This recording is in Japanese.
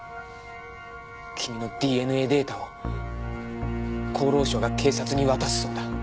君のＤＮＡデータを厚労省が警察に渡すそうだ。